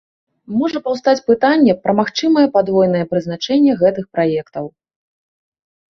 Можа паўстаць пытанне пра магчымае падвойнае прызначэнне гэтых праектаў.